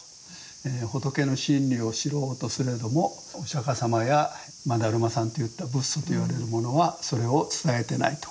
「仏の真理を知ろうとすれどもお釈様や達磨さんといった仏祖といわれるものはそれを伝えてない」と。